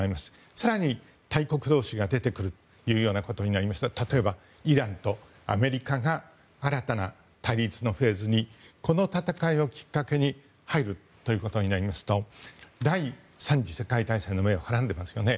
更に、大国同士が出てくることになりますと例えば、イランとアメリカが新たな対立のフェーズにこの戦いをきっかけに入るということになりますと第３次世界大戦の目をはらんでいますよね。